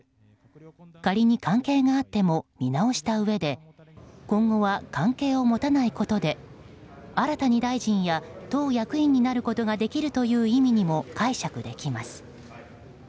仮に関係があっても見直したうえで今後は関係を持たないことで新たに大臣や党役員になることができるという意味にも解釈できます。